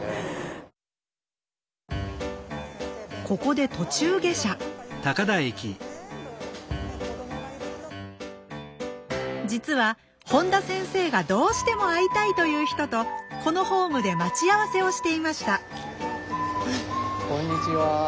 ここで途中下車実は本田先生がどうしても会いたいという人とこのホームで待ち合わせをしていましたこんにちは。